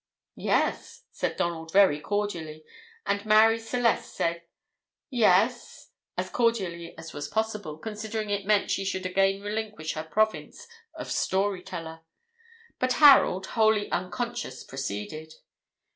"Yes," said Donald very cordially; and Marie Celeste said "yes" as cordially as was possible, considering it meant she should again relinquish her province of story teller; but Harold, wholly unconscious, proceeded.